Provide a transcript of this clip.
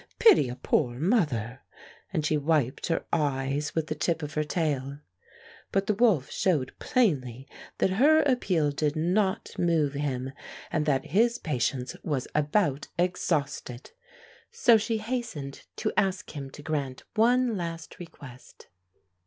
"Pity a poor mother." And she wiped her eyes with the tip of her tail. But the wolf showed plainly that her ap peal did not move him, and that his patience was about exhausted. So she hastened to ask him to grant one last request.